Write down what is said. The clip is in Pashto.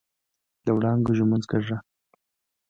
د وړانګو ږمنځ کړه